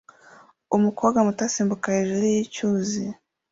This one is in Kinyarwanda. Umukobwa muto asimbuka hejuru yicyuzi